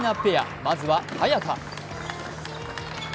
まずは早田。